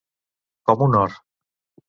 Com un or.